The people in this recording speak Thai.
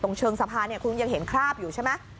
เชิงสะพานเนี่ยคุณยังเห็นคราบอยู่ใช่ไหม